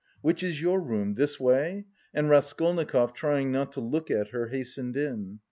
"Which is your room? This way?" and Raskolnikov, trying not to look at her, hastened in.